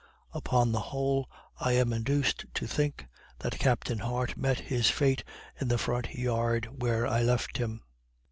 Upon the whole, I am induced to think that Captain Hart met his fate in the front yard where I left him.